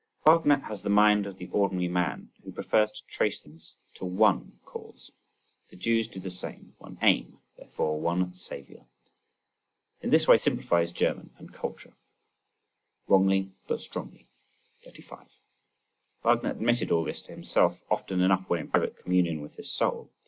Wagner has the mind of the ordinary man who prefers to trace things to one cause. The Jews do the same: one aim, therefore one Saviour. In this way he simplifies German and culture; wrongly but strongly. 35. Wagner admitted all this to himself often enough when in private communion with his soul.